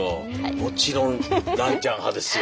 もちろんランちゃん派ですよ。